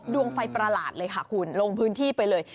ดวงไฟประหลาดเลยค่ะคุณลงพื้นที่ไปเลย